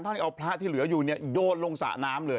ท่านก็เอาพระที่เหลืออยู่นี่โดดลงสาน้ำเลย